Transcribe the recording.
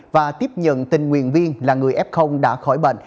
và tiếp nhận tình nguyện viên là người f đã khỏi bệnh